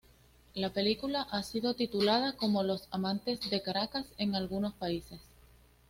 La película ha sido titulada como "Los amantes de Caracas" en algunos países.